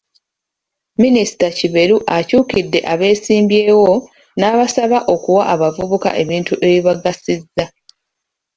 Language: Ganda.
Minisita Kiberu akyukidde abeesimbyewo n'abasaba okuwa abavubuka ebintu ebibagasiza